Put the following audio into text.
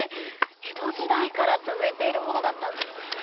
江戸時代から続いているものだったんですね。